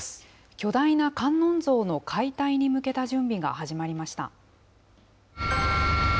巨大な観音像の解体に向けた準備が始まりました。